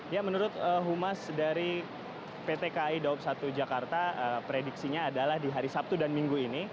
ya menurut humas dari pt kai daup satu jakarta prediksinya adalah di hari sabtu dan minggu ini